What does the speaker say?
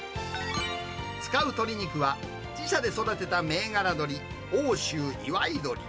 使う鶏肉は、自社で育てた銘柄鶏、奥州いわいどり。